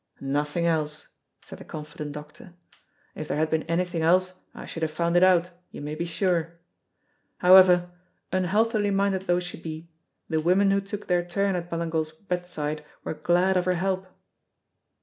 "Nothing else," said the confident doctor; "if there had been anything else I should have found it out, you may be sure. However, unhealthily minded though she be, the women who took their turn at Ballingall's bedside were glad of her help."